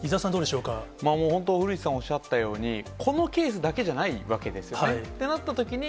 本当、古市さんがおっしゃったように、このケースだけじゃないわけですよね。